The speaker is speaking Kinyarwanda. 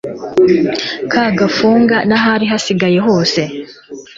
kagafunga n'ahari hasigaye hose